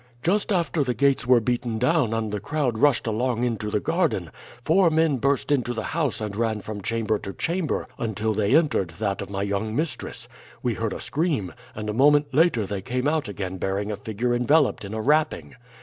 "'Just after the gates were beaten down and the crowd rushed along into the garden, four men burst into the house and ran from chamber to chamber until they entered that of my young mistress. We heard a scream, and a moment later they came out again bearing a figure enveloped in a wrapping.